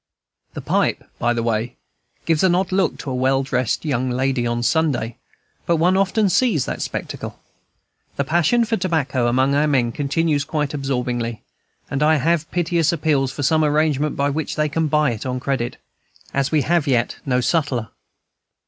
The pipe, by the way, gives an odd look to a well dressed young girl on Sunday, but one often sees that spectacle. The passion for tobacco among our men continues quite absorbing, and I have piteous appeals for some arrangement by which they can buy it on credit, as we have yet no sutler.